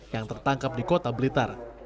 yang tertangkap di kota blitar